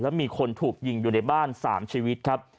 แล้วมีคนถูกยิงอยู่ในบ้าน๓ชีวิตครับ